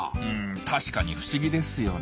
確かに不思議ですよね。